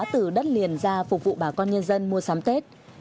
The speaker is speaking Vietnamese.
từ đất liền ra phục vụ bà con nhân dân mua sắm tết